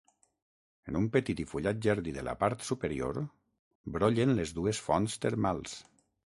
En un petit i fullat jardí de la part superior brollen les dues fonts termals.